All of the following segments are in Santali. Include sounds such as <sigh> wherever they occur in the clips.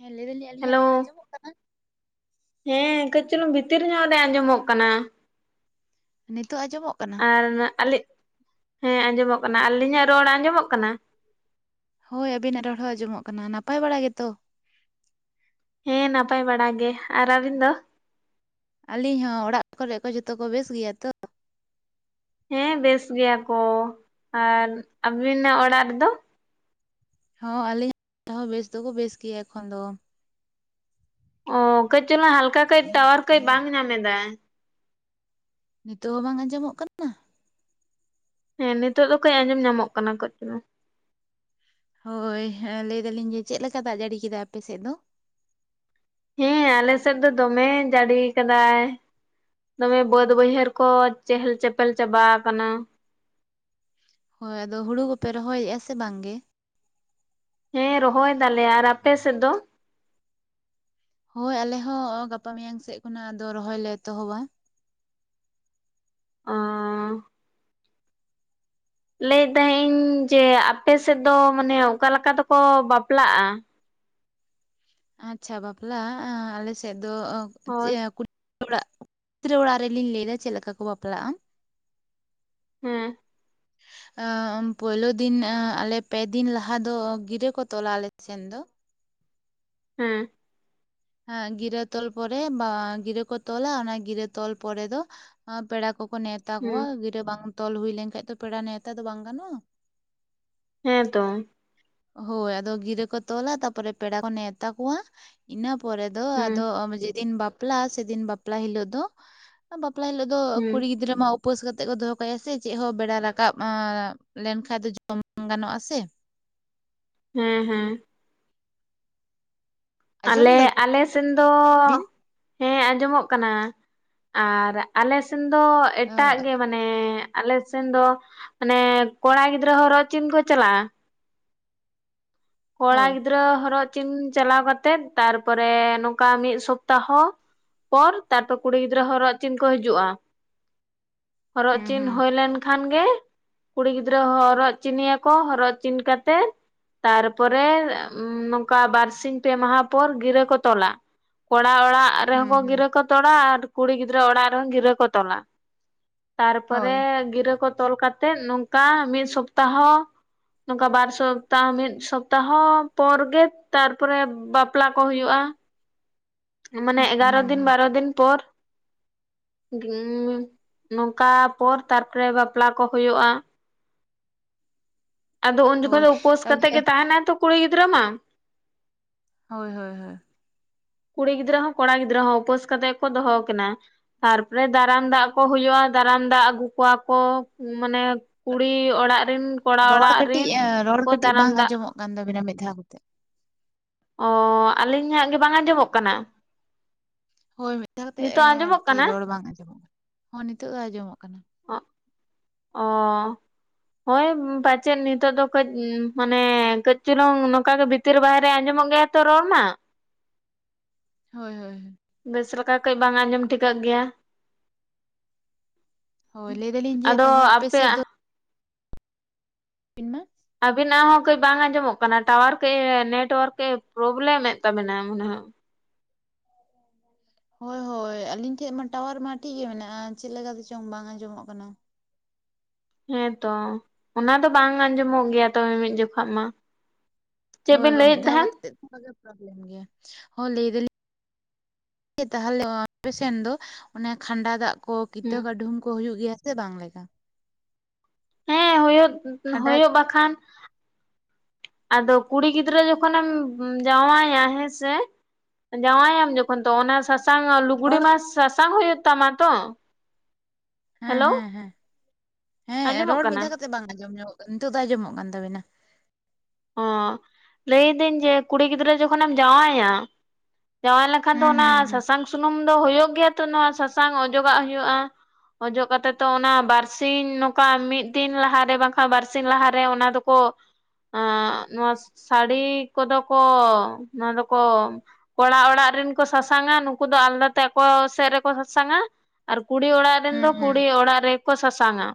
ᱦᱮᱸ ᱞᱟᱹᱭ ᱫᱟᱞᱤᱧ ᱦᱮᱞᱳ ᱟᱞᱤᱧᱟᱜ ᱨᱚᱲ ᱟᱸᱡᱚᱢᱚᱜ ᱠᱟᱱᱟ ᱦᱮᱸ ᱠᱟᱹᱡᱪᱩᱞᱩᱝ ᱵᱷᱤᱛᱤᱨ ᱧᱚᱜ ᱨᱮ ᱟᱸᱡᱚᱢᱚᱜ ᱠᱟᱱᱟ ᱱᱤᱛᱚᱜ ᱟᱸᱡᱚᱢᱚᱜ ᱠᱟᱱᱟ ᱟᱨ ᱟᱞᱤᱧ ᱦᱮᱸ ᱟᱸᱡᱚᱢᱚᱜ ᱠᱟᱱᱟ ᱟᱹᱞᱤᱧᱟᱜ ᱨᱚᱲ ᱟᱸᱡᱚᱢᱚᱜ ᱠᱟᱱᱟ ᱦᱳᱭ ᱟᱵᱤᱱᱟᱜ ᱨᱚᱲ ᱦᱚᱸ ᱟᱸᱡᱚᱢᱚᱜ ᱠᱟᱱᱟ ᱱᱟᱯᱟᱭ ᱵᱟᱲᱟ ᱜᱮᱛᱚ ᱦᱮᱸ ᱱᱟᱯᱟᱭ ᱵᱟᱲᱟ ᱜᱮ ᱟᱨ ᱟᱵᱤᱱ ᱫᱚ ᱟᱹᱞᱤᱧ ᱦᱚᱸ ᱚᱲᱟᱜ ᱠᱚᱨᱮᱜ ᱠᱚ ᱡᱷᱚᱛᱚ ᱠᱚ ᱵᱮᱥ ᱜᱮᱭᱟ ᱛᱚ ᱦᱮᱸ ᱵᱮᱥ ᱜᱮᱭᱟ ᱠᱚ ᱟᱨ ᱟᱵᱤᱱᱟᱜ ᱚᱲᱟᱜ ᱨᱮᱫᱚ ᱦᱚᱸ ᱟᱹᱞᱤᱧ ᱦᱚᱸ ᱵᱮᱥ ᱫᱚᱠᱚ ᱵᱮᱥ ᱜᱮᱭᱟ ᱮᱠᱷᱚᱱ ᱫᱚ ᱚ ᱠᱟᱹᱡ ᱪᱚᱞᱟᱝ ᱦᱟᱞᱠᱟ ᱠᱟᱹᱡ ᱴᱟᱣᱟᱨ ᱠᱟᱹᱡ ᱵᱟᱝ ᱧᱟᱢ ᱮᱫᱟᱭ ᱱᱤᱛᱚᱜ ᱦᱚᱸ ᱵᱟᱝ ᱟᱸᱡᱚᱢᱚᱜ ᱠᱟᱱᱟ ᱦᱮᱸ ᱱᱤᱛᱚᱜ ᱫᱚ ᱠᱟᱹᱡ ᱟᱸᱡᱚᱢ ᱧᱟᱢᱚᱜ ᱠᱟᱱᱟ ᱠᱟᱹᱡ ᱪᱩᱞᱩᱝ ᱦᱳᱭ ᱞᱟᱹᱭ ᱫᱟᱞᱤᱧ ᱡᱮ ᱪᱮᱫ ᱞᱮᱠᱟ ᱫᱟᱜ ᱡᱟᱹᱲᱤ ᱠᱮᱫᱟᱭ ᱟᱯᱮ ᱥᱮᱫ ᱫᱚ ᱦᱮᱸ ᱟᱞᱮᱥᱮᱫ ᱫᱚ ᱫᱚᱢᱮ ᱡᱟᱹᱲᱤ ᱠᱟᱫᱟᱭ ᱫᱚᱢᱮ ᱵᱟᱹᱫ ᱵᱟᱹᱭᱦᱟᱹᱲ ᱠᱚ ᱪᱮᱦᱮᱞ ᱪᱮᱯᱮᱞ ᱪᱟᱵᱟ ᱟᱠᱟᱱᱟ ᱦᱳᱭ ᱟᱫᱚ ᱦᱩᱲᱩ ᱠᱚᱯᱮ ᱨᱚᱦᱚᱭᱮᱫᱼᱟ ᱥᱮ ᱵᱟᱝᱜ ᱜᱮ ᱦᱮᱸ ᱨᱚᱦᱚᱭ ᱫᱟᱞᱮ ᱟᱨ ᱟᱯᱮ ᱥᱮᱫ ᱫᱚ ᱦᱳᱭ ᱟᱞᱮ ᱦᱚᱸ ᱜᱟᱯᱟ ᱢᱮᱭᱟᱝ ᱥᱮᱜ ᱠᱷᱚᱱᱟᱜ ᱟᱫᱚ ᱨᱚᱦᱚᱭ ᱞᱮ ᱮᱛᱚᱦᱚᱵᱟ ᱚ ᱞᱟᱹᱭ ᱛᱟᱦᱮᱸᱜ ᱤᱧ ᱡᱮ ᱟᱯᱮ ᱥᱮᱫ ᱫᱚ ᱢᱟᱱᱮ ᱚᱠᱟ ᱞᱮᱠᱟ ᱛᱮᱠᱚ ᱵᱟᱯᱞᱟᱜᱼᱟ ᱟᱪᱪᱷᱟ ᱵᱟᱯᱞᱟ-ᱟ ᱟᱞᱮᱥᱮᱫ ᱫᱚ ᱦᱳᱭ ᱚᱲᱟᱜ ᱫᱨᱟᱹ ᱚᱲᱟᱜ ᱨᱮᱞᱤᱧ ᱞᱮᱭᱫᱟ ᱪᱮᱫ ᱞᱮᱠᱟ ᱠᱚ ᱵᱟᱯᱞᱟᱜᱼᱟ ᱦᱮᱸ ᱟᱹᱻ ᱯᱳᱭᱞᱳ ᱫᱤᱱ ᱟᱹᱻ ᱟᱞᱮ ᱯᱮ ᱫᱤᱱ ᱞᱟᱦᱟ ᱫᱚ ᱜᱤᱨᱟᱹ ᱠᱚ ᱛᱚᱞᱟ ᱟᱞᱮ ᱥᱮᱱ ᱫᱚ ᱦᱮᱸ ᱟ ᱜᱤᱨᱟᱹ ᱛᱚᱞ ᱯᱚᱨᱮ ᱵᱟ ᱜᱤᱨᱟᱹ ᱠᱚ ᱛᱚᱞᱟ ᱚᱱᱟ ᱜᱤᱨᱟᱹ ᱛᱚᱞ ᱯᱚᱨᱮ ᱫᱚ ᱟ ᱯᱮᱲᱟ ᱠᱚᱠᱚ ᱱᱮᱛ ᱦᱩᱸ ᱛᱟᱠᱚᱣᱟ ᱜᱤᱨᱟᱹ ᱵᱟᱝ ᱛᱚᱞ ᱦᱩᱭ ᱞᱮᱝ ᱠᱷᱟᱡ ᱫᱚ ᱯᱮᱲᱟ ᱱᱮᱶᱛᱟ ᱫᱚ ᱵᱟᱝ ᱜᱟᱱᱚᱜᱼᱟ ᱦᱮᱸ ᱛᱚ ᱦᱳᱭ ᱟᱫᱚ ᱜᱤᱨᱟᱹ ᱠᱚ ᱛᱚᱞᱟ, ᱛᱟᱯᱚᱨᱮ ᱯᱮᱲᱟ ᱠᱚ ᱱᱮᱣᱛᱟ ᱠᱚᱣᱟ, ᱤᱱᱟᱹ ᱯᱚᱨᱮ ᱫᱚ ᱦᱩᱸ ᱟᱫᱚ ᱡᱮᱫᱤᱱ ᱵᱟᱯᱞᱟ ᱥᱮᱫᱤᱱ ᱵᱟᱯᱞᱟ ᱦᱤᱞᱳᱜ ᱫᱚ ᱵᱟᱯᱞᱟ ᱦᱤᱞᱳᱜ ᱫᱚ ᱦᱩᱸ ᱠᱩᱲᱤ ᱜᱤᱫᱽᱨᱟᱹ ᱢᱟ ᱩ ᱯᱟᱹᱥ ᱠᱟᱛᱮᱜ ᱠᱚ ᱫᱚᱦᱚ ᱠᱟᱭᱟ ᱥᱮ ᱪᱮᱫ ᱦᱚᱸ ᱵᱮᱲᱟ ᱨᱟᱠᱟᱵ ᱞᱮᱱ ᱠᱷᱟᱡ ᱫᱚ ᱡᱚᱢ <unintelligible> ᱜᱟᱱᱚᱜᱼᱟᱥᱮ? ᱦᱮᱸ ᱦᱮᱸ᱾ ᱟᱸᱡᱚᱢ ᱟᱞᱮ ᱟᱞᱮ ᱥᱮᱱ ᱫᱚ ᱫᱟᱵᱤᱱ ᱦᱮᱸ ᱟᱸᱡᱚᱢᱚᱜ ᱠᱟᱱᱟ᱾ ᱟᱨ ᱟᱞᱮ ᱥᱮᱱ ᱫᱚ ᱮᱴᱟᱜ ᱜᱮ ᱢᱟᱱᱮ ᱟᱞᱮ ᱥᱮᱱ ᱫᱚ ᱢᱟᱱᱮ ᱠᱚᱲᱟ ᱜᱤᱫᱽᱨᱟᱹ ᱦᱚᱨᱚᱜ ᱪᱤᱱ ᱠᱚ ᱪᱟᱞᱟᱜᱼᱟ᱾ ᱠᱚᱲᱟ ᱦᱳᱭ ᱜᱤᱫᱽᱨᱟᱹ ᱦᱚᱨᱚᱜ ᱪᱤᱱ ᱪᱟᱞᱟᱣ ᱠᱟᱛᱮᱜ, ᱛᱟᱨᱯᱚᱨᱮ ᱱᱚᱝᱠᱟ ᱢᱤᱫ ᱥᱚᱯᱛᱟ ᱦᱚ ᱯᱚᱨ ᱛᱟᱨᱯᱚᱨ ᱠᱩᱲᱤ ᱜᱤᱫᱽᱨᱟᱹ ᱦᱚᱨᱚᱜ ᱪᱤᱱ ᱠᱚ ᱦᱤᱡᱩᱜᱼᱟ᱾ ᱦᱚᱨᱚᱜ ᱪᱤᱱ ᱦᱳᱭ ᱞᱮᱱ ᱠᱷᱟᱱ ᱜᱮ ᱠᱩᱲᱤ ᱜᱤᱫᱽᱨᱟᱹ ᱦᱚᱨᱚᱜ ᱪᱤᱱᱭᱟᱠᱚ ᱦᱚᱨᱚᱜ ᱪᱤᱱ ᱠᱟᱛᱮᱜ ᱛᱟᱨ ᱯᱚᱨᱮ ᱱᱚᱝᱠᱟ ᱵᱟᱨ ᱥᱤᱧ ᱯᱮ ᱢᱟᱦᱟ ᱯᱚᱨ ᱜᱤᱨᱟᱹ ᱠᱚ ᱛᱚᱞᱟ᱾ ᱠᱚᱲᱟ ᱚᱲᱟᱜ ᱟᱨ ᱨᱮᱦᱚᱸ ᱦᱩᱸ, ᱠᱚ ᱦᱩᱸ, ᱜᱤᱨᱟᱹ ᱠᱚ ᱛᱚᱞᱟ, ᱟᱨ ᱠᱩᱲᱤ ᱜᱤᱫᱽᱨᱟᱹ ᱚᱲᱟᱜ ᱨᱮᱦᱚᱸ ᱜᱤᱨᱟᱹ ᱠᱚ ᱛᱚᱞᱟ᱾ ᱛᱟᱨ ᱦᱳᱭ, ᱯᱚᱨᱮ ᱜᱤᱨᱟᱹ ᱠᱚ ᱛᱚᱞ ᱠᱟᱛᱮᱜ ᱱᱚᱝᱠᱟ ᱢᱤᱫ ᱥᱚᱯᱛᱟᱦᱚ ᱱᱚᱝᱠᱟ ᱵᱟᱨ ᱥᱚᱯᱛᱟ ᱢᱤᱫ ᱥᱚᱯ ᱛᱟᱦᱚ ᱯᱚᱨ ᱜᱮ ᱛᱟᱨ ᱯᱚᱨᱮ ᱵᱟᱯᱞᱟ ᱠᱚ ᱦᱚᱭᱩᱜᱼᱟ᱾ ᱢᱟᱱᱮ ᱦᱩᱸ, ᱮᱜᱟᱨᱚ ᱦᱩᱸ, ᱫᱤᱱ ᱦᱩᱸ, ᱵᱟᱨᱚ ᱫᱤᱱ ᱯᱚᱨ ᱩᱸ ᱱᱚᱝᱠᱟ ᱯᱚᱨ ᱛᱟᱨᱯᱚᱨᱮ ᱵᱟᱯᱞᱟ ᱠᱚ ᱦᱩᱭᱩᱜᱼᱟ᱾ ᱟᱫᱚ ᱩᱱ ᱡᱚᱠᱷᱚᱡ ᱦᱳᱭ, ᱫᱚ ᱩᱯᱟᱹᱥ ᱛᱟᱦᱚᱞᱮ ᱠᱟᱛᱮᱜ ᱜᱮ ᱛᱟᱦᱮᱸᱱᱟᱭᱛᱚ ᱠᱩᱲᱤ ᱜᱤᱫᱽᱨᱟᱹ ᱢᱟ, ᱦᱳᱭ ᱦᱳᱭ ᱦᱳᱭ᱾ ᱠᱩᱲᱤ ᱜᱤᱫᱽᱨᱟᱹ ᱦᱚᱸ ᱠᱚᱲᱟ ᱜᱤᱫᱽᱨᱟᱹ ᱦᱚᱸ ᱩᱯᱟᱹᱥ ᱠᱟᱛᱮᱜ ᱠᱚ ᱫᱚᱦᱚ ᱠᱤᱱᱟ᱾ ᱛᱟᱨᱯᱚᱨᱮ ᱫᱟᱨᱟᱢ ᱫᱟᱜ ᱠᱚ ᱦᱩᱭᱩᱜᱼᱟ ᱫᱟᱨᱟᱢ ᱫᱟᱜ ᱟᱹᱜᱩ ᱠᱚᱣᱟ ᱠᱚ ᱢᱟᱱᱮ ᱠᱩᱲᱤ ᱚᱲᱟᱜ ᱨᱤᱱ ᱨᱚᱲ ᱠᱟᱹᱴᱤᱡ ᱤᱭᱟᱹ ᱨᱚᱲ ᱠᱟᱹᱴᱤᱡ ᱵᱟᱝ ᱟᱸᱡᱚᱢᱚᱜ ᱠᱟᱱ ᱛᱟᱵᱤᱱᱟ ᱢᱤᱫ ᱫᱷᱟᱣ ᱠᱟᱛᱮᱜ᱾ ᱚ ᱟᱹᱞᱤᱧ ᱧᱟᱜ ᱜᱮ ᱵᱟᱝ ᱟᱡᱚᱢᱚᱜ ᱠᱟᱱᱟ? ᱦᱳᱭ ᱢᱤᱫ ᱫᱷᱟᱣ ᱠᱟᱛᱮᱜ ᱮ ᱱᱤᱛᱚᱜ ᱟᱸᱡᱚᱢᱚᱜ ᱟᱨᱠᱤ ᱠᱟᱱᱟ ᱨᱚᱲ ᱵᱟᱝ ᱟᱸᱡᱚᱢᱚᱜ ᱠᱟᱱᱟ, ᱦᱚᱸ ᱱᱤᱛᱚᱜ ᱫᱚ ᱟᱸᱡᱚᱢᱚᱜ ᱠᱟᱱᱟ᱾ ᱟᱸᱜ ᱚ᱾ ᱦᱳᱭ ᱯᱟᱪᱮᱫ ᱱᱤᱛᱚᱜ ᱫᱚ ᱠᱟᱹᱡ ᱢᱟᱱᱮ ᱠᱟᱹᱡ ᱪᱩᱞᱩᱝ ᱱᱚᱝᱠᱟ ᱜᱮ ᱵᱷᱤ ᱛᱤᱨ ᱵᱟᱭᱨᱮ ᱟᱸᱡᱚ ᱢᱚᱜ‌ ᱜᱮᱭᱟ ᱛᱚ ᱨᱚᱲ ᱢᱟ, ᱦᱳᱭ ᱦᱳᱭ᱾ ᱵᱮᱥ ᱞᱮᱠᱟ ᱠᱟᱹᱡ ᱵᱟᱝ ᱟᱡᱚᱢ ᱴᱷᱤᱠᱟᱹᱜ ᱜᱮᱭᱟ᱾ ᱦᱳᱭ, ᱞᱟᱹᱭ ᱫᱟᱞᱤᱧ ᱡᱮ ᱟᱫᱚ ᱛᱟᱦᱚᱞᱮ ᱟᱯᱮ ᱥᱮᱫ ᱟᱯᱮᱭᱟᱜ ᱤᱧ ᱢᱟ ᱟᱵᱤᱱᱟᱜ ᱦᱚᱸ ᱠᱟᱹᱡ ᱵᱟᱝ ᱟᱸᱡᱚᱢᱚᱜ ᱠᱟᱱᱟ ᱴᱟᱣᱟᱨ ᱠᱟᱹᱡ ᱮ ᱱᱮᱴᱳᱣᱟᱨᱠ ᱠᱟᱹᱡ ᱯᱨᱚᱵᱞᱮᱢᱮᱫ ᱛᱟᱵᱤᱱᱟ ᱢᱚᱱᱮ ᱦᱚᱭ᱾ ᱦᱳᱭ ᱦᱳᱭ ᱟᱹᱞᱤᱧ ᱴᱷᱮᱡ ᱢᱟ ᱴᱟᱣᱟᱨ ᱢᱟ ᱴᱷᱤᱼᱜᱮ ᱢᱮᱱᱟᱜᱼᱟ ᱪᱮᱫ ᱞᱮᱠᱟ ᱛᱮ ᱪᱚᱝ ᱵᱟᱝ ᱟᱸᱡᱚᱢᱚᱜ ᱠᱟᱱᱟ᱾ ᱦᱮᱸᱛᱚ ᱚᱱᱟ ᱫᱚ ᱵᱟᱝ ᱟᱸᱡᱚᱢᱚᱜ ᱜᱮᱭᱟ ᱛᱚᱵᱮ ᱢᱤᱜ ᱡᱚᱠᱷᱟᱜ ᱢᱟ᱾ ᱪᱮᱫ ᱦᱳᱭ ᱵᱮᱱ ᱦᱳᱭ ᱞᱟᱹᱭᱮᱫ ᱢᱤᱫ ᱫᱷᱟᱣ ᱛᱟᱦᱮᱸᱱ ᱠᱟᱛᱮᱛ ᱯᱨᱚᱵᱞᱮᱢ ᱜᱮᱭᱟ ᱦᱳ ᱞᱟᱹᱭ ᱫᱟᱞᱤᱧ ᱛᱟᱦᱞᱮ ᱟᱯᱮᱥᱮᱱ ᱫᱚ ᱚᱱᱮ ᱠᱷᱟᱸᱰᱟ ᱫᱟᱜ ᱠᱚ ᱠᱤᱛᱟᱹ ᱦᱩᱸ ᱠᱟᱹᱰᱷᱩᱢ ᱠᱚ ᱦᱩᱭᱩᱜ ᱜᱮᱭᱟ ᱥᱮ ᱵᱟᱝ ᱞᱮᱠᱟ? ᱦᱮᱸ ᱦᱩᱭᱩᱜ ᱠᱷᱟᱸᱰᱟ ᱦᱩᱭᱩᱜ ᱵᱟᱠᱷᱟᱱ᱾ ᱟᱫᱚ ᱠᱩᱲᱤ ᱜᱤᱫᱽᱨᱟᱹ ᱡᱚᱠᱷᱚᱱᱮᱢ ᱡᱟᱶᱟᱭᱟ ᱦᱮᱸᱥᱮ ᱡᱟᱶᱟᱭᱟᱢ ᱡᱚᱠᱷᱚᱱ ᱛᱚ ᱚᱱᱟ ᱥᱟ ᱥᱟᱝ ᱞᱩᱜᱩᱜᱽᱲᱤ ᱨᱚᱲ ᱢᱟ ᱥᱟᱥᱟᱝ ᱦᱩᱭᱩᱜ ᱦᱩᱭᱩᱜ ᱛᱟᱢ ᱛᱚ? ᱦᱮᱞᱳ ᱦᱮᱸᱦᱮᱸᱦᱮᱸ ᱦᱮᱸ ᱟᱸᱡᱚᱢᱚᱜ ᱨᱚᱲ ᱠᱟᱱᱟ ᱢᱤᱫᱷᱟᱣ ᱠᱟᱛᱮᱜ ᱵᱟᱝ ᱟᱸᱡᱚᱢ ᱧᱚᱜᱚᱜ ᱠᱟᱱᱟ, ᱱᱤᱛᱚᱜ ᱫᱚ ᱟᱸᱡᱚᱢᱚᱜ ᱠᱟᱱ ᱛᱟᱵᱤᱱᱟ᱾ ᱚᱸ ᱞᱟᱹᱭᱫᱟᱹᱧ ᱡᱮ ᱠᱩᱲᱤ ᱜᱤᱫᱽᱨᱟᱹ ᱡᱚᱠᱷᱚᱱᱮᱢ ᱡᱟᱶᱟᱭᱟ ᱡᱟᱶᱟᱭ ᱞᱮᱠᱷᱟᱱ ᱫᱚ ᱦᱩᱸ ᱚᱱᱟ ᱦᱩᱸ ᱦᱩᱸ ᱥᱟᱥᱟᱝ ᱥᱩᱱᱩᱢ ᱫᱚ ᱦᱩᱭᱩᱜ ᱜᱮᱭᱟ ᱛᱚ ᱱᱚᱣᱟ ᱥᱟᱥᱟᱝ ᱚᱡᱚᱜᱟᱜ ᱦᱩᱭᱩᱜᱼᱟ᱾ ᱚᱡᱚᱜ ᱠᱟᱛᱮ ᱛᱚ ᱚᱱᱟ ᱵᱟᱨ ᱥᱤᱧ ᱱᱚᱝᱠᱟ ᱢᱤᱫ ᱫᱤᱱ ᱞᱟᱦᱟᱨᱮ ᱵᱟᱝᱠᱷᱟᱱ ᱵᱟᱨ ᱥᱤᱧ ᱞᱟᱦᱟᱨᱮ ᱚᱱᱟ ᱫᱚᱠᱚ ᱟᱸ ᱱᱚᱣᱟ ᱥᱟᱹᱲᱤ ᱠᱚᱫᱚ ᱠᱚ ᱱᱚᱣᱟ ᱫᱚᱠᱚ ᱠᱚᱲᱟ ᱚᱲᱟᱜ ᱨᱮᱱ ᱠᱚ ᱥᱟᱥᱟᱝᱟ ᱱᱩᱠᱩ ᱫᱚ ᱟᱞᱫᱟ ᱛᱮ ᱟᱠᱚ ᱥᱮᱜ ᱨᱮᱠᱚ ᱥᱟᱥᱟᱝᱟ ᱟᱨ ᱠᱩᱲᱤ ᱚᱲᱟᱜ ᱨᱮᱱ ᱦᱩᱸ ᱫᱚ ᱦᱩᱸ ᱠᱩᱲᱤ ᱚᱲᱟᱜ ᱨᱮᱠᱚ ᱥᱟᱥᱟᱝᱟ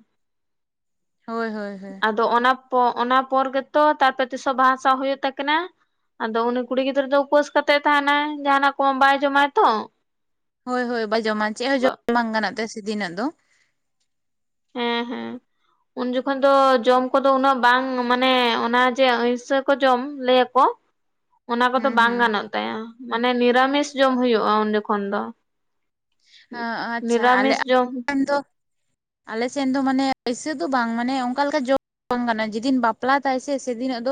ᱦᱳᱭ ᱦᱳᱭ ᱦᱳᱭ ᱟᱫᱚ ᱚᱱᱟ ᱚᱱᱟ ᱯᱚᱨ ᱜᱮᱛᱚ ᱛᱟᱨᱯᱚᱨ ᱛᱤᱥᱚ ᱵᱟᱦᱟ ᱥᱟᱶ ᱦᱩᱭᱩᱜ ᱛᱟᱹᱠᱤᱱᱟ ᱟᱫᱚ ᱩᱱᱤ ᱠᱩᱲᱤ ᱜᱤᱫᱽᱨᱟᱹ ᱫᱚ ᱩᱯᱟᱹᱥ ᱠᱟᱛᱮᱜ ᱛᱟᱦᱮᱱᱟᱭ ᱡᱟᱦᱱᱟᱜ ᱠᱚ ᱵᱟᱭ ᱡᱚᱢᱟᱭ ᱛᱚ, ᱦᱳᱭ ᱦᱳᱭ ᱵᱟ ᱡᱚᱢᱟ ᱪᱮᱜ ᱦᱚᱸ ᱡᱚᱢ ᱵᱟᱝ ᱜᱟᱱᱚᱜ ᱛᱮ ᱥᱫᱤᱱᱟᱜ ᱫᱚ ᱦᱮᱸ ᱦᱮᱸ ᱩᱱ ᱡᱚᱠᱷᱚᱱ ᱫᱚ ᱡᱚᱢ ᱠᱚᱫᱚ ᱩᱱᱟᱹᱜ ᱵᱟᱝ ᱢᱟᱱᱮ ᱚᱱᱟ ᱡᱮ ᱟᱺᱭᱥᱟᱹ ᱠᱚ ᱡᱚᱢ ᱞᱟᱹᱭᱟᱠᱚ, ᱚᱱᱟ ᱠᱚᱫᱚ ᱦᱩᱸ ᱵᱟᱝ ᱦᱩᱸ ᱜᱟᱱᱚᱜ ᱛᱟᱭᱟ ᱢᱟᱱᱮ ᱱᱤᱨᱟᱢᱤᱥ ᱡᱚᱢ ᱦᱩᱭᱩᱜᱼᱟ ᱩᱱ ᱡᱟᱠᱷᱚᱱᱚᱱ ᱫᱚ ᱟᱹ ᱟᱪᱪᱷᱟ ᱟᱞᱮ ᱱᱤᱨᱟᱢᱤᱥ ᱟ ᱡᱚᱢ ᱨᱮᱱ ᱫᱚ ᱟᱞᱮᱥᱱ ᱫᱚ ᱢᱟᱱᱮ ᱮᱭᱥᱮ ᱫᱚ ᱵᱟᱝ ᱢᱟᱱᱮ ᱚᱱᱠᱟ ᱞᱮᱠᱟ ᱡᱚᱢ ᱵᱟᱝ ᱜᱟᱱᱚᱜᱼᱟ ᱡᱮᱫᱤᱱ ᱵᱟᱯᱞᱟ ᱛᱟᱭ ᱥᱮ ᱥᱮᱫᱤᱱᱚᱜ ᱫᱚ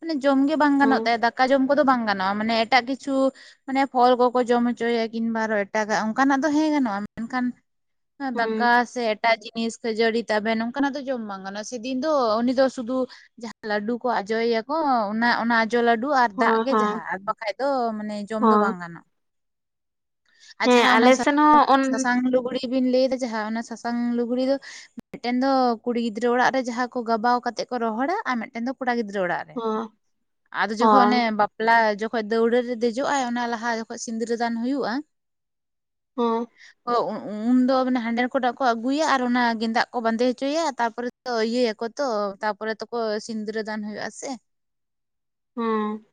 ᱢᱟᱱᱮ ᱡᱚᱢ ᱜᱮ ᱵᱟᱝ ᱦᱮᱸ ᱜᱟᱱᱚᱜ ᱛᱟᱭᱟ ᱫᱟᱠᱟ ᱡᱚᱢ ᱠᱚᱫᱚ ᱵᱟᱝ ᱜᱟᱱᱚᱜᱼᱟ ᱢᱟᱱᱮ ᱮᱴᱟᱜ ᱠᱤᱪᱷᱩ ᱢᱟᱱᱮ ᱯᱷᱚᱞ ᱠᱚᱠᱚ ᱡᱚᱢ ᱦᱚᱪᱚᱭᱟ ᱠᱤᱱᱵᱟ ᱟᱨᱚ ᱮᱴᱟᱜᱟᱜ ᱚᱱᱠᱟᱱᱟᱜ ᱫᱚ ᱦᱮᱸ ᱜᱟᱱᱚᱜᱼᱟ ᱢᱮᱱᱠᱷᱟᱱ ᱦᱮᱸ ᱫᱟᱠᱟ ᱥᱮ ᱮᱴᱟ ᱡᱤᱱᱤᱥ ᱠᱷᱟᱹᱡᱟᱹᱲᱤ ᱛᱟᱵᱮᱱ ᱱᱚᱝᱠᱟᱱᱟᱜ ᱫᱚ ᱡᱚᱢ ᱵᱟᱝ ᱜᱟᱱᱚᱜᱼᱟ ᱥᱮᱫᱤᱱ ᱫᱚ ᱩᱱᱤ ᱫᱚ ᱥᱩᱫᱩ ᱡᱟᱦᱟ ᱞᱟᱹᱰᱩ ᱠᱚ ᱟᱡᱚᱭᱮᱭᱟ ᱠᱚ ᱚᱱᱟ ᱚᱱᱟ ᱟᱡᱚ ᱞᱟᱹᱰᱩ ᱟᱨ ᱫᱟᱜ ᱦᱳᱭ ᱜᱮ ᱦᱳᱭ ᱡᱟᱦᱟᱸ ᱟᱨ ᱵᱟᱠᱷᱟᱡ ᱫᱚ ᱢᱟᱱᱮ ᱡᱚᱢ ᱫᱚ ᱦᱳᱭ ᱵᱟᱝ ᱜᱟᱱᱚᱜᱼᱟ ᱟᱨ ᱦᱮᱸ ᱡᱟᱦᱟ ᱚᱱᱟ ᱟᱞᱮ ᱥᱮᱱ ᱦᱚᱸ ᱚᱱ ᱥᱟᱥᱟᱝ ᱞᱩᱜᱽᱲᱤ ᱵᱤᱱ ᱞᱟᱹᱭᱫᱟ ᱡᱟᱦᱟᱸ ᱚᱱᱟ ᱥᱟᱥᱟᱝ ᱞᱩᱜᱽᱲᱤ ᱫᱚ ᱢᱤᱴᱮᱱ ᱫᱚ ᱠᱩᱲᱤ ᱜᱤᱫᱽᱨᱟᱹ ᱚᱲᱟᱜ ᱨᱮ ᱡᱟᱦᱟᱸ ᱠᱚ ᱜᱟᱵᱟᱣ ᱠᱟᱛᱮᱜ ᱠᱚ ᱨᱚᱦᱚᱲᱟ, ᱟᱨ ᱢᱤᱫᱴᱮᱱ ᱫᱚ ᱠᱚᱲᱟ ᱜᱤᱫᱽᱨᱟᱹ ᱚᱲᱟᱜ ᱦᱳᱭ ᱟᱫᱚ ᱦᱳᱭ ᱡᱚᱠᱷᱚᱱᱮ ᱵᱟ ᱯᱞᱟ ᱡᱚᱠᱷᱚᱡ ᱫᱟᱹᱣᱲᱟᱹ ᱨᱮ ᱫᱮᱡᱚᱜ ᱟᱭ ᱚᱱᱟ ᱞᱟᱦᱟ ᱡᱚᱠᱷᱚᱡ ᱥᱤᱸᱤᱫᱨᱟᱹ ᱫᱟᱱ ᱦᱩᱭᱩᱜᱼᱟ ᱦᱚ ᱩᱱᱫᱚ ᱢᱟᱱᱮ ᱦᱟᱸᱰᱮᱱ ᱠᱚᱰᱟᱜ ᱠᱚ ᱟᱹᱜᱩᱭᱟ ᱟᱨ ᱚᱱᱟ ᱜᱮᱸᱫᱟᱜ ᱠᱚ ᱵᱟᱸᱫᱮ ᱦᱚᱪᱚᱭᱟ ᱛᱟᱯᱚᱨᱮ ᱤᱭᱟᱹᱭᱟᱠᱚ ᱛᱚ ᱛᱟᱯᱚᱨᱮ ᱛᱚᱠᱚ ᱥᱤᱝᱤᱫᱨᱟᱹ ᱫᱟᱱ ᱦᱩᱭᱩᱜᱼᱟ ᱥᱮ? ᱦᱚᱸ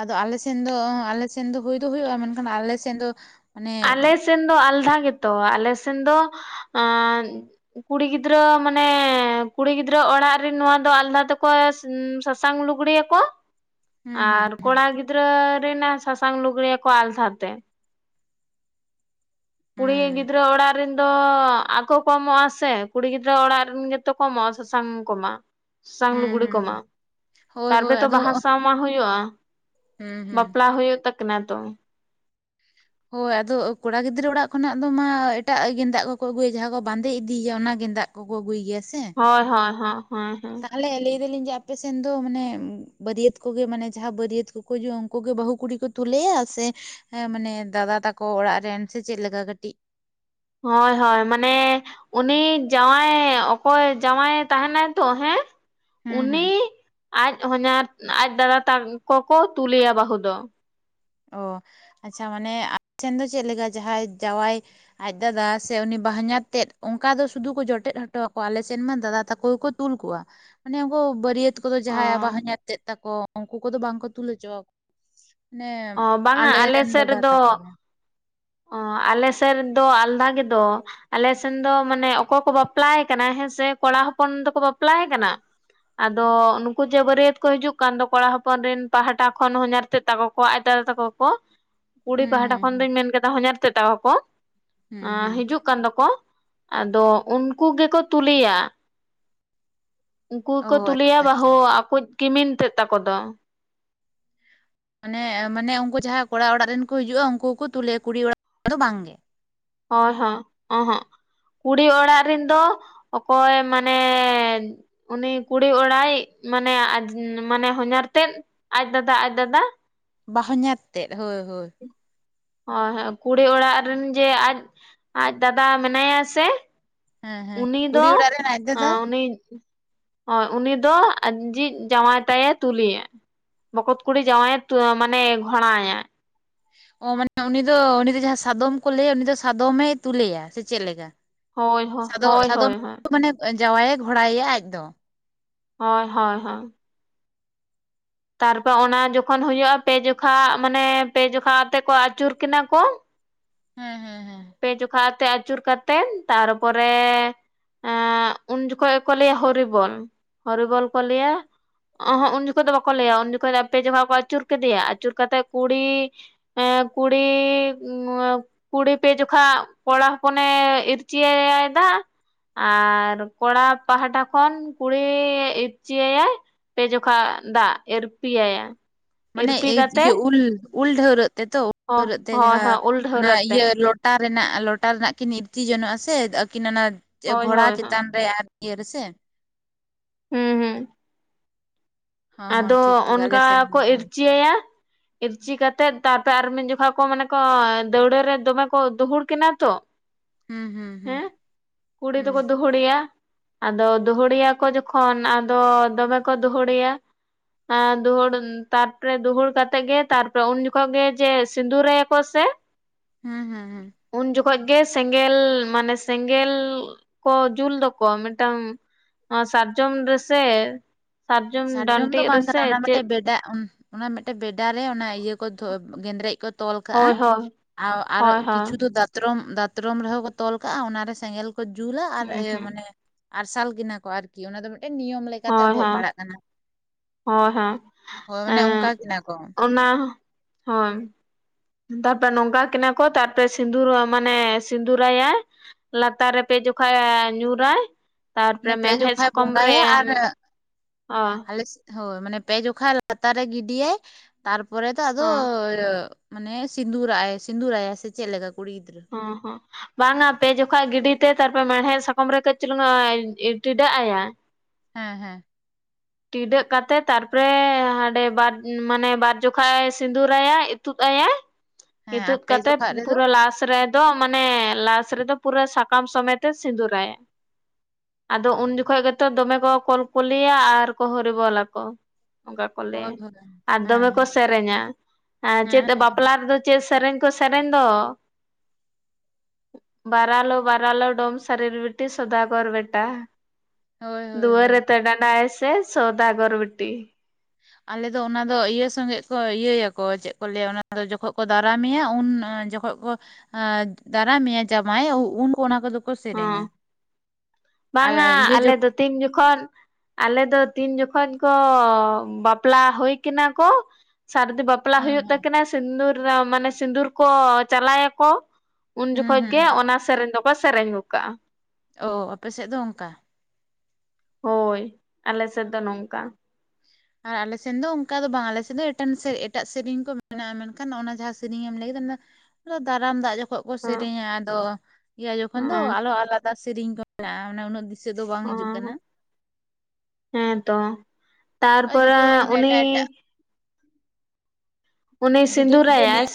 ᱟᱫᱚ ᱟᱞᱮ ᱥᱮᱱ ᱫᱚ ᱟᱞᱮ ᱥᱮᱱ ᱫᱚ ᱦᱩᱭ ᱫᱚ ᱦᱩᱭᱩᱜᱼᱟ ᱢᱮᱱᱠᱷᱟᱱ ᱟᱞᱮ ᱥᱮᱫ ᱫᱚ ᱢᱟᱱᱮ ᱟᱞᱮᱥᱱ ᱫᱚ ᱟᱞᱫᱷᱟ ᱜᱮᱛᱚ ᱟᱞᱮ ᱥᱮᱱ ᱫᱚ ᱟᱸ ᱠᱩᱲᱤ ᱜᱤᱫᱽᱨᱟᱹ ᱢᱟᱱᱮ ᱠᱩᱲᱤ ᱜᱤᱫᱽᱨᱟᱹ ᱚᱲᱟᱜ ᱨᱤᱱ ᱱᱚᱣᱟ ᱫᱚ ᱟᱞᱫᱟ ᱛᱮᱠᱚ ᱩᱸ ᱥᱟᱥᱟᱝ ᱞᱩᱜᱽᱲᱤ ᱭᱟᱠᱚᱠᱚᱣᱟ ᱦᱩᱸ ᱦᱩᱸ ᱟᱨ ᱦᱩᱸ ᱠᱚᱲᱟ ᱜᱤᱫᱽᱨᱟᱹ ᱨᱤᱱ ᱥᱟᱥᱟᱝ ᱞᱩᱜᱽᱲᱤᱭᱟ ᱠᱚᱣᱟ ᱟᱞᱫᱷᱟ ᱛᱮ ᱠᱩᱲᱤ ᱦᱩᱸ ᱜᱤᱫᱽᱨᱟᱹ ᱚᱲᱟᱜ ᱨᱮᱱ ᱫᱚ ᱟᱠᱚ ᱚᱢᱚᱜ ᱟ ᱥᱮ ᱠᱩᱲᱤ ᱜᱤᱫᱽᱨᱟᱹ ᱚᱲᱟᱜ ᱨᱤᱱ ᱜᱮᱛᱚ ᱠᱚ ᱚᱢᱚᱜᱼᱟ ᱥᱟᱥᱟᱝ ᱠᱚᱢᱟᱼᱟ ᱥᱟᱝ ᱦᱩᱸ ᱞᱩᱜᱽᱲᱤ ᱦᱩᱸ ᱠᱚᱢᱟ ᱦᱳᱭ ᱛᱟᱨᱯᱚᱨᱮ ᱦᱳᱭ ᱛᱚ ᱟᱫᱚ ᱵᱟᱦᱟ ᱥᱟᱶ ᱢᱟ ᱦᱩᱭᱩᱜᱼᱟ᱾ ᱦᱩᱸ ᱦᱩᱸ ᱵᱟᱯᱞᱟ ᱦᱩᱭᱳᱜ ᱛᱟᱠᱤᱱᱟ ᱛᱚ᱾ ᱦᱚᱭ ᱟᱫᱚ ᱠᱚᱲᱟ ᱜᱤᱫᱽᱨᱟᱹ ᱚᱲᱟᱜ ᱠᱷᱚᱱᱟᱜ ᱫᱚ ᱢᱟ ᱮᱴᱟᱜ ᱜᱮᱸᱫᱟᱜ ᱠᱚᱠᱚ ᱟᱹᱜᱩᱭᱟ ᱡᱟᱦᱟᱸ ᱠᱚ ᱵᱟᱸᱫᱮ ᱤᱫᱤᱭᱟ ᱚᱱᱟ ᱜᱮᱸᱫᱟᱜ ᱜᱳᱜᱳ ᱟᱹᱜᱩᱭ ᱜᱮᱭᱟ ᱥᱮ ᱦᱚᱭ ᱦᱚᱭ ᱦᱚᱸ ᱦᱚᱭ ᱦᱚᱸ ᱟᱞᱮ ᱞᱟᱹᱭ ᱮᱫᱟ ᱞᱤᱧ ᱡᱮ ᱟᱯᱮ ᱥᱮᱱ ᱫᱚ ᱢᱟᱱᱮ ᱵᱟᱹᱨᱭᱟᱹᱛ ᱠᱚ ᱜᱮ ᱢᱟᱱᱮ ᱡᱟᱦᱟᱸ ᱵᱟᱹᱨᱭᱟᱹᱛ ᱠᱚᱠᱚ ᱦᱤᱡᱩᱜᱼᱟ ᱩᱱᱠᱩ ᱜᱮ ᱵᱟᱹᱦᱩ ᱠᱩᱲᱤ ᱠᱚ ᱛᱩᱞᱟᱹᱭᱟ ᱥᱮ ᱢᱟᱱᱮ ᱫᱟᱫᱟ ᱛᱟᱠᱚ ᱚᱲᱟᱜ ᱨᱮᱱ ᱥᱮ ᱪᱮᱫ ᱞᱮᱠᱟ ᱠᱟᱹᱴᱤᱡ ᱦᱚᱭ ᱦᱚᱭ ᱢᱟᱱᱮᱼᱼ ᱩᱱᱤ ᱡᱟᱶᱟᱭ ᱚᱠᱚᱭ ᱡᱟᱶᱟᱭ ᱛᱟᱦᱮᱱᱟᱭ ᱛᱚ ᱦᱮᱸᱼᱼ ᱦᱩᱸ ᱦᱩᱸ ᱩᱱᱤ ᱟᱡ ᱦᱚᱧᱦᱟᱨ ᱟᱡ ᱫᱟᱫᱟ ᱛᱟᱠᱚ ᱠᱚ ᱛᱩᱞᱮᱭᱟ ᱵᱟᱹᱦᱩ ᱫᱚ, ᱚ ᱟᱪᱪᱷᱟ ᱢᱟᱱᱮ ᱟᱯᱮ ᱥᱮᱱ ᱫᱚ ᱪᱮᱫ ᱞᱮᱠᱟ ᱡᱟᱦᱟᱸᱭ ᱡᱟᱶᱟᱭᱼᱼ ᱟᱡ ᱫᱟᱫᱟ ᱥᱮ ᱩᱱᱤ ᱵᱟ-ᱦᱚᱧᱦᱟᱨ ᱛᱮᱫ ᱚᱱᱠᱟ ᱫᱚ ᱥᱩᱫᱷᱩ ᱠᱚ ᱡᱚᱴᱮᱫ ᱦᱚᱴᱚ ᱟᱠᱚᱣᱟ ᱟᱞᱮ ᱥᱮᱱ ᱢᱟ ᱫᱟᱫᱟ ᱛᱟᱠᱚ ᱜᱮ ᱠᱚᱼᱼ ᱛᱩᱞ ᱠᱚᱣᱟ ᱢᱟᱱᱮ ᱩᱱᱠᱩ ᱵᱟᱹᱨᱭᱟᱹᱛᱼᱼ ᱩᱱᱠᱩ ᱠᱚ ᱫᱚ ᱚ ᱡᱟᱦᱟᱸᱭ ᱵᱟᱼᱦᱚᱧᱦᱟᱨ ᱛᱮᱫ ᱛᱟᱠᱚ ᱩᱱᱠᱩ ᱠᱚ ᱫᱚ ᱵᱟᱝ ᱠᱚ ᱛᱩᱞ ᱦᱚᱪᱚ ᱟᱠᱚ ᱢᱟᱱᱮᱼᱼ ᱚ ᱵᱟᱝᱟ ᱟᱞᱮ ᱥᱮᱫ ᱨᱮ ᱫᱚᱼᱼ ᱚ ᱟᱞᱮ ᱥᱮᱫ ᱨᱮ ᱫᱚ ᱟᱞᱫᱷᱟ ᱜᱮ ᱫᱚ, ᱟᱞᱮ ᱥᱮᱱ ᱫᱚ ᱢᱟᱱᱮ ᱚᱠᱚᱭ ᱠᱚ ᱵᱟᱯᱞᱟᱭ ᱠᱟᱱᱟ ᱦᱮᱸ ᱥᱮ ᱠᱚᱲᱟ ᱦᱚᱯᱚᱱ ᱫᱚ ᱠᱚ ᱵᱟᱯᱞᱟᱭ ᱠᱟᱱᱟ, ᱟᱫᱚ ᱱᱩᱠᱩ ᱡᱮ ᱵᱟᱹᱨᱭᱟᱹᱛ ᱠᱚ ᱦᱤᱡᱩᱜ ᱠᱟᱱ ᱫᱚ ᱠᱚᱲᱟ ᱦᱚᱯᱚᱱ ᱨᱤᱱ ᱯᱟᱦᱟᱴᱟ ᱠᱷᱚᱱ ᱦᱚᱧᱦᱟᱨ ᱛᱮᱫ ᱛᱟᱠᱚᱼᱼ ᱠᱚᱣᱟᱜ ᱟᱡ ᱫᱟᱫᱟ ᱛᱟᱠᱚ ᱠᱚ ᱠᱩᱲᱤ ᱦᱩᱸ ᱯᱟᱦᱴᱟ ᱦᱩᱸ ᱠᱷᱚᱱ ᱦᱩᱸ ᱫᱩᱧ ᱢᱮᱱ ᱠᱮᱫᱟ ᱦᱚᱧᱦᱟᱨ ᱛᱮᱫ ᱛᱟᱠᱚ ᱠᱚ᱾ ᱦᱩᱸ ᱦᱩᱸ ᱦᱤᱡᱩᱜ ᱠᱟᱱ ᱫᱚ ᱠᱚ ᱟᱫᱚ ᱩᱱᱠᱩ ᱜᱮ ᱠᱚ ᱛᱩᱞᱮᱭᱟ᱾ ᱩᱱᱠᱩ ᱜᱮ ᱚ ᱠᱚ ᱛᱩᱞᱮᱭᱟ ᱟᱪᱪᱷᱟ ᱟᱪᱪᱷᱟ᱾ ᱵᱟᱹᱦᱩ ᱟᱠᱚᱣᱤᱡ ᱠᱤᱢᱤᱱ ᱛᱮᱫ ᱛᱟᱠᱚ ᱫᱚ ᱢᱟᱱᱮ ᱢᱟᱱᱮ ᱩᱱᱠᱩ ᱡᱟᱦᱟᱸᱭ ᱠᱚᱲᱟ ᱚᱲᱟᱜ ᱨᱤᱱ ᱠᱚ ᱦᱤᱡᱩᱜᱼᱟ ᱩᱱᱠᱩ ᱠᱚ ᱛᱩᱞᱮᱭᱟ ᱠᱩᱲᱤ ᱚᱲᱟᱜ ᱫᱚ ᱵᱟᱝ ᱜᱮ? ᱦᱚᱭ ᱦᱚᱸ ᱚᱦᱚᱜ ᱠᱩᱲᱤ ᱚᱲᱟᱜ ᱨᱤᱱ ᱫᱚ ᱚᱠᱚᱭ ᱢᱟᱱᱮᱼᱼ ᱩᱱᱤ ᱠᱩᱲᱤ ᱚᱲᱟᱭᱤᱡ ᱢᱟᱱᱮ ᱢᱟᱱᱮ ᱦᱚᱧᱦᱟᱨ ᱛᱮᱫᱼᱼ ᱟᱡ ᱫᱟᱫᱟ ᱟᱡ ᱫᱟᱫᱟ ᱵᱟ-ᱦᱚᱧᱦᱟᱨ ᱛᱮᱫ ᱦᱚᱭ ᱦᱚᱭ ᱦᱚᱭ ᱦᱚᱭ ᱠᱩᱲᱤ ᱚᱲᱟᱜ ᱨᱤᱱ ᱡᱮ ᱟᱡ ᱫᱟᱫᱟ ᱢᱮᱱᱟᱭᱟ ᱥᱮᱼᱼ ᱦᱮᱸ ᱦᱮᱸ ᱩᱱᱤ ᱠᱩᱲᱤ ᱫᱚ ᱚᱲᱟᱜ ᱨᱮᱱ ᱟᱡ ᱟᱸ ᱫᱟᱫᱟ ᱩᱱᱤᱼᱼ ᱦᱚᱭ ᱩᱱᱤ ᱫᱚ ᱟᱡᱤᱡ ᱡᱟᱶᱟᱭ ᱛᱟᱭᱮ ᱛᱩᱞᱤᱭᱟᱭᱼᱼ ᱵᱚᱠᱚᱛ ᱠᱩᱲᱤ ᱡᱟᱶᱟᱭ ᱢᱟᱱᱮ ᱜᱷᱚᱬᱟ ᱮᱸᱭᱟᱭ ᱚ ᱢᱟᱱᱮ ᱩᱱᱤ ᱫᱚ ᱩᱱᱤ ᱫᱚ ᱡᱟᱦᱟᱸ ᱥᱟᱫᱚᱢ ᱠᱚ ᱞᱟᱹᱭᱟ ᱩᱱᱤ ᱫᱚ ᱥᱟᱫᱚᱢᱮ ᱛᱩᱞᱮᱭᱟ ᱥᱮ ᱪᱮᱫ ᱞᱮᱠᱟ? ᱦᱚᱭ ᱦᱚᱜ ᱥᱟᱫᱚᱢ ᱦᱚᱭ ᱥᱟᱫᱚᱢ ᱦᱚᱭ ᱦᱚᱸ ᱢᱟᱱᱮ ᱡᱟᱶᱟᱭᱮ ᱜᱷᱚᱬᱟᱭ ᱮᱭᱟ ᱟᱡ ᱫᱚ ᱦᱚᱭ ᱦᱚᱭ ᱦᱚᱭ ᱛᱟᱨᱯᱚᱨ ᱚᱱᱟ ᱡᱚᱠᱷᱚᱱ ᱦᱩᱭᱩᱜᱼᱟ ᱯᱮ ᱡᱚᱠᱷᱟ ᱢᱟᱱᱮ ᱯᱮ ᱡᱚᱠᱷᱟ ᱟᱛᱮ ᱠᱚ ᱟᱹᱪᱩᱨ ᱠᱤᱱᱟ ᱠᱚ ᱦᱩᱸ ᱦᱩᱸ ᱦᱩᱸ ᱯᱮ ᱡᱚᱠᱷᱟ ᱟᱛᱮ ᱟᱹᱪᱩᱨ ᱠᱟᱛᱮᱫ ᱛᱟᱨᱯᱚᱨᱮᱼᱼ ᱮᱻ ᱩᱱ ᱡᱚᱠᱷᱚᱡ ᱜᱮ ᱠᱚ ᱞᱟᱹᱭᱟ ᱦᱚᱨᱤᱵᱚᱞ ᱦᱚᱨᱤᱵᱚᱞ ᱠᱚ ᱞᱟᱹᱭᱟ᱾ ᱚᱸᱦᱚᱜ ᱩᱱ ᱡᱚᱠᱷᱚᱡ ᱫᱚ ᱵᱟᱠᱚ ᱞᱟᱹᱭᱟ ᱩᱱ ᱡᱚᱠᱷᱚᱡ ᱫᱚ ᱯᱮ ᱡᱚᱠᱷᱟ ᱠᱚ ᱟᱹᱪᱩᱨ ᱠᱮᱫᱮᱭᱟ ᱟᱹᱪᱩᱨ ᱠᱟᱛᱮᱫ ᱠᱩᱲᱤᱼᱼ ᱮᱸᱻ ᱠᱩᱲᱤ ᱦᱮᱸ ᱠᱩᱲᱤ ᱯᱮ ᱡᱚᱠᱷᱟ ᱠᱚᱲᱟ ᱦᱚᱯᱚᱱᱮ ᱤᱨᱪᱤ ᱟᱭᱟᱭ ᱫᱟᱜ ᱟᱨ ᱠᱚᱲᱟ ᱯᱟᱦᱴᱟ ᱠᱷᱚᱱ ᱠᱩᱲᱤ ᱤᱨᱪᱤ ᱟᱭᱟᱭᱼᱼ ᱯᱮ ᱡᱚᱠᱷᱟ ᱫᱟᱜ ᱤᱨᱯᱤᱭᱟᱭ ᱢᱟᱱᱮ ᱤᱭᱟᱹ ᱩᱞ ᱩᱞ ᱰᱷᱟᱹᱣᱨᱟᱹᱜ ᱛᱮ ᱛᱚ ᱩᱞ ᱦᱚ ᱰᱷᱨᱟᱹᱣᱨᱟᱹᱜ ᱛᱮ ᱦᱳᱭ ᱡᱟᱦᱟᱸ ᱦᱳᱭ ᱩᱞ ᱚᱱᱟ ᱰᱷᱟᱹᱣᱨᱟᱹᱜ ᱛᱮ ᱤᱭᱟᱹ ᱞᱚᱴᱟᱼᱼ ᱞᱚᱴᱟ ᱨᱮᱱᱟᱜ ᱞᱚᱴᱟ ᱨᱮᱱᱟᱜ ᱠᱤᱱ ᱤᱨᱪᱤ ᱡᱚᱱᱚᱜᱼᱟ ᱥᱮ ᱟᱹᱠᱤᱱ ᱚᱱᱟ ᱦᱳᱭ ᱜᱷᱚᱬᱟ ᱦᱳᱭ ᱦᱳᱭ ᱪᱮᱛᱟᱱ ᱨᱮ ᱟᱨᱼᱼ ᱤᱭᱟᱹ ᱨᱮ ᱥᱮᱼᱼ ᱦᱩᱸ ᱦᱩᱸ ᱦᱚᱸ ᱦᱚᱸ ᱟᱫᱚ ᱴᱷᱤᱠ ᱴᱷᱤᱠ ᱟᱞᱮ ᱚᱱᱠᱟ ᱥᱮᱱ ᱠᱚ ᱦᱚᱸ ᱚᱱᱠᱟ ᱤᱨᱪᱤ ᱟᱭᱟ ᱤᱨᱪᱤ ᱠᱟᱛᱮᱫ ᱛᱟᱨᱯᱚᱨ ᱟᱨ ᱢᱤᱫ ᱡᱚᱠᱷᱟ ᱠᱚ ᱢᱟᱱᱮ ᱠᱚ ᱫᱟᱹᱣᱲᱟᱹ ᱨᱮ ᱫᱚᱢᱮ ᱠᱚ ᱫᱩᱦᱩᱲ ᱠᱤᱱᱟ ᱛᱚ᱾ ᱦᱩᱸ ᱦᱩᱸ ᱦᱩᱸ ᱦᱮᱸ ᱠᱩᱲᱤ ᱫᱚ ᱦᱩᱸ ᱠᱚ ᱫᱩᱼᱼ ᱫᱩᱦᱩᱲᱮᱭᱟ ᱟᱫᱚ ᱫᱩᱦᱩᱲᱮᱭᱟ ᱠᱚ ᱡᱚᱠᱷᱚᱱ ᱟᱫᱚ ᱫᱚᱢᱮ ᱠᱚ ᱫᱩᱦᱩᱲᱮᱭᱟ ᱦᱟᱸ ᱫᱩᱦᱩᱲ ᱛᱟᱨᱯᱚᱨᱮ ᱫᱩᱦᱩᱲ ᱠᱟᱛᱮ ᱜᱮ ᱛᱟᱨᱯᱚᱨᱮ ᱩᱱ ᱡᱚᱠᱷᱚᱱ ᱜᱮ ᱡᱮ ᱥᱤᱸᱫᱩᱨ ᱟᱭᱟ ᱠᱚ ᱥᱮ? <unintelligible> ᱦᱮᱸ ᱦᱮᱸ ᱦᱮᱸ᱾ ᱩᱱ ᱡᱚᱠᱷᱚᱡ ᱜᱮ ᱥᱮᱸᱜᱮᱞ ᱢᱟᱱᱮ ᱥᱮᱸᱜᱮᱞ ᱠᱚ ᱡᱩᱞ ᱫᱚᱠᱚ ᱢᱤᱫᱴᱟᱝ ᱥᱟᱨᱡᱚᱢ ᱨᱮ ᱥᱮ ᱥᱟᱨᱡᱚᱢ ᱰᱟᱝ ᱵᱟᱝ ᱠᱟᱱᱟ ᱚᱱᱟ ᱢᱤᱫᱴᱮᱡ ᱵᱮᱰᱟ ᱚᱱᱟ ᱢᱤᱫᱴᱮᱡ ᱵᱮᱰᱟ ᱨᱮ ᱚᱱᱟ ᱤᱭᱟᱹ ᱠᱚ ᱜᱮᱸᱫᱽᱨᱮᱡ ᱠᱚ ᱛᱚᱞ ᱦᱳᱭ ᱠᱟᱜᱼᱟ, ᱦᱳᱭ ᱟ ᱟᱨ ᱦᱳᱭ ᱦᱳᱭ ᱠᱤᱪᱷᱩ ᱫᱟ ᱛᱨᱚᱢ ᱫᱟᱛᱨᱚᱢ ᱨᱮᱦᱚᱸ ᱠᱚ ᱛᱚᱞ ᱠᱟᱜᱼᱟ, ᱚᱱᱟ ᱨᱮ ᱥᱮᱸᱜᱮᱞ ᱠᱚ ᱡᱩᱞᱟ ᱟᱨ ᱦᱩᱸ ᱤᱭᱟᱹ ᱦᱩᱸ ᱢᱟᱱᱮ ᱟᱨᱥᱟᱞ ᱠᱤᱱᱟ ᱠᱚ ᱟᱨᱠᱤ ᱚᱱᱟ ᱫᱚ ᱢᱤᱫᱴᱮᱱ ᱱᱤᱭᱚᱢ ᱞᱮᱠᱟᱛᱮ ᱦᱳᱭ ᱟᱵᱚᱣᱟᱜ ᱯᱟᱲᱟᱜ ᱦᱳᱭ ᱠᱟᱱᱟ ᱦᱳᱭ ᱦᱳᱭ ᱢᱟᱱᱮ ᱚᱱᱠᱟ ᱦᱮᱸ ᱠᱤᱱᱟ ᱠᱚ ᱚᱱᱟ ᱦᱳᱭ᱾ ᱛᱟᱨᱯᱚᱨᱮ ᱱᱚᱝᱠᱟ ᱠᱤᱱᱟ ᱠᱚ ᱛᱟᱨᱯᱚᱨᱮ ᱥᱤᱸᱫᱩᱨ ᱢᱟᱱᱮ ᱥᱤᱸᱫᱩᱨ ᱟᱭᱟᱭ᱾ ᱞᱟᱛᱟᱨ ᱨᱮᱯᱮ ᱡᱚᱠᱷᱟᱡ ᱧᱩᱨ ᱟᱭ ᱱᱮ ᱯᱮ ᱡᱚᱠᱷᱟᱡ ᱵᱚᱸᱜᱟᱭᱟ, ᱟᱨ ᱚ ᱟᱞᱮ ᱥᱮᱜ ᱦᱳᱭ ᱢᱟᱱᱮ ᱯᱮ ᱡᱚᱠᱷᱟ ᱞᱟᱛᱟᱨ ᱨᱮ ᱜᱤᱰᱤᱭᱟᱭ, ᱛᱟᱨᱯᱚᱨᱮ ᱫᱚ ᱟᱫᱚ ᱦᱚᱸ ᱢᱟᱱᱮ ᱥᱤᱸᱫᱩᱨᱟᱜ ᱟᱭ ᱥᱤᱫᱩᱨᱟᱭᱟᱭ ᱥᱮ ᱪᱮᱫᱞᱮᱠᱟ ᱠᱩᱲᱤ ᱜᱤᱫᱽᱨᱟᱹ? ᱦᱚᱸ ᱦᱚᱸ᱾ ᱵᱟᱝᱟ ᱯᱮ ᱡᱚᱠᱷᱚᱡ ᱜᱤᱰᱤᱛᱮ ᱛᱟᱨᱯᱚᱨᱮ ᱢᱮᱲᱦᱮᱫ ᱥᱟᱠᱟᱢ ᱨᱮ ᱠᱟᱹᱡ ᱪᱩᱞᱩᱝ ᱴᱤᱰᱟᱹᱜ ᱟᱭᱟ᱾ ᱦᱮᱸ ᱦᱮᱸ᱾ ᱴᱤᱰᱟᱹᱜ ᱠᱟᱛᱮ ᱛᱟᱨᱯᱚᱨᱮ ᱦᱟᱸᱰᱮ ᱵᱟᱨ ᱢᱟᱱᱮ ᱵᱟᱨ ᱡᱚᱠᱷᱟᱡ ᱮ ᱥᱤᱸᱫᱩᱨ ᱟᱭᱟ ᱤᱛᱩᱫ ᱟᱭᱟᱭ᱾ ᱦᱮᱸ ᱟᱨ ᱤᱛᱩᱫ ᱯᱮ ᱠᱟᱛᱮ ᱡᱚᱠᱷᱟᱜ ᱨᱮᱫᱚ ᱯᱩᱨᱟᱹ ᱞᱟᱥ ᱨᱮ ᱫᱚ ᱢᱟᱱᱮ ᱞᱟᱥ ᱨᱮᱫᱚ ᱯᱩᱨᱟᱹ ᱥᱟᱠᱟᱢ ᱥᱚᱢᱮᱛ ᱮ ᱥᱤᱸᱫᱩᱨ ᱟᱭᱟ᱾ ᱟᱫᱚ ᱩᱱ ᱡᱚᱠᱷᱚᱡ ᱜᱮᱛᱚ ᱫᱚᱢᱮ ᱠᱚ ᱠᱚᱞᱠᱚᱞᱤᱭᱟ ᱟᱨ ᱠᱚ ᱦᱚᱨᱤᱵᱚᱞ ᱟᱠᱚ᱾ ᱚᱝᱠᱟᱠᱚ ᱦᱳᱭ ᱞᱮᱭᱟ ᱦᱳᱭ ᱦᱮᱸ ᱟᱨ ᱫᱚᱢᱮ ᱠᱚ ᱦᱮᱸ ᱥᱮᱨᱮᱧᱟ, ᱟᱨ ᱪᱮᱫ ᱦᱮᱸ ᱦᱮᱸ ᱵᱟᱯᱞᱟ ᱨᱮᱫᱚ ᱪᱮᱫ ᱥᱮᱨᱮᱧ ᱠᱚ ᱥᱮᱨᱮᱧ ᱫᱚ? ᱵᱟᱨᱟᱞᱳ ᱵᱟᱨᱟᱞᱳ ᱰᱳᱢ ᱥᱟᱨᱤᱨ ᱵᱤᱴᱤ ᱥᱚᱫᱟᱜᱚᱨ ᱵᱮᱴᱟ, ᱦᱳᱭ ᱦᱳᱭ ᱫᱩᱣᱟᱹᱨ ᱨᱮ ᱦᱳᱭ ᱛᱮ ᱰᱟᱰᱟᱭ ᱟᱭ ᱥᱮ ᱥᱚᱫᱟᱜᱚᱨ ᱵᱤᱴᱤ᱾ ᱟᱞᱮ ᱚᱱᱟ ᱫᱚ ᱤᱭᱟᱹ ᱥᱚᱸᱜᱮ ᱠᱚ ᱤᱭᱟ ᱟᱠᱚ ᱪᱮᱫ ᱠᱚ ᱞᱟᱹᱭᱟ ᱚᱱᱟ ᱡᱚᱠᱷᱚᱱ ᱠᱚ ᱫᱟᱨᱟᱢᱮᱭᱟ ᱩᱱ ᱡᱚ ᱠᱷᱚᱡ ᱠᱚ ᱮ ᱫᱟᱨᱟ ᱢᱮᱭᱟ ᱡᱟᱢᱟᱭ ᱩᱱ ᱚᱱᱟ ᱠᱚᱫᱚ ᱠᱚ ᱦᱚᱸ ᱥᱮᱨᱮᱧᱟ ᱟᱨ ᱵᱟᱝᱼᱟ ᱤᱭᱟᱹ ᱟᱞᱮ ᱡᱚᱠ ᱫᱚ ᱛᱤᱱ ᱡᱚᱠᱷᱚᱱ ᱟᱞᱮ ᱫᱚ ᱛᱤᱱ ᱡᱚᱠᱷᱚᱱ ᱠᱚ ᱵᱟᱯᱞᱟ ᱦᱩᱭ ᱠᱟᱱᱟ ᱠᱚ ᱥᱟᱹᱨᱫᱤ ᱵᱟᱯ ᱞᱟ ᱦᱮᱸ ᱦᱩᱭᱩᱜ ᱦᱮᱸ ᱛᱟᱹᱠᱤᱱᱟ, ᱥᱤᱸᱫᱩᱨ ᱢᱟᱱᱮ ᱥᱤᱸᱫᱩᱨ ᱠᱚ ᱪᱟᱞᱟᱭᱟᱠᱚ ᱩᱱ ᱦᱩᱸ ᱡᱚᱠᱷᱚᱡ ᱦᱩᱸ ᱜᱮ ᱚᱱᱟ ᱥᱮᱨᱮᱧ ᱫᱚᱠᱚ ᱥᱮᱨᱮᱧ ᱫᱚᱠᱚ ᱥᱮᱨᱮᱧᱜᱚᱜ ᱠᱟᱜᱼᱟ᱾ ᱚ ᱟᱯᱮ ᱥᱮᱜ ᱫᱚ ᱚᱝᱠᱟ? ᱦᱳᱭ ᱟᱞᱮ ᱥᱮᱫ ᱫᱚ ᱱᱚᱝᱠᱟ᱾ ᱟᱨ ᱟᱞᱮ ᱥᱮᱱ ᱫᱚ ᱚᱝᱠᱟ ᱫᱚ ᱵᱟᱝ ᱟᱞᱮ ᱥᱮᱫ ᱫᱚ ᱮᱴᱟᱜ ᱥᱮᱨᱮᱧ ᱠᱚ ᱢᱮᱱᱟᱜᱼᱟ ᱢᱮᱱᱠᱷᱟᱱ ᱚᱱᱟ ᱡᱟᱦᱟᱸ ᱥᱮᱨᱮᱧ ᱮᱢ ᱞᱟᱹᱭ ᱫᱟ ᱚᱱᱟ ᱫᱟᱨᱟᱢ ᱫᱟᱜ ᱡᱚᱠᱷᱚᱱ ᱠᱚ ᱦᱮᱸ ᱥᱮᱨᱮᱧᱟ ᱟᱫᱚ ᱤᱭᱟᱹ ᱡᱚᱠᱷᱚᱱ ᱫᱚ ᱦᱮᱸ ᱟᱞᱚ ᱟᱞᱟᱫᱟ ᱥᱮᱨᱮᱧ ᱠᱚ ᱢᱮᱱᱟᱜᱼᱟ ᱢᱟᱱᱮ ᱩᱱᱟᱹᱜ ᱫᱤ ᱚ ᱦᱮᱸ ᱛᱚ ᱟᱨ ᱛᱟᱨᱯᱚᱨᱮ ᱡᱚᱛᱚ ᱢᱟᱱᱮ ᱩᱱᱤ ᱮᱴᱟᱜ ᱮᱴᱟᱜ ᱩᱱᱤ ᱡᱩᱫᱟᱹ ᱡᱩᱫᱟᱹ ᱱᱤᱭᱚᱢ ᱥᱤᱫᱩᱨᱭᱟᱭ?